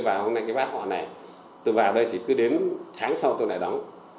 và hôm nay cái bát họ này tôi vào đây thì cứ đếm tháng sau tôi lại đóng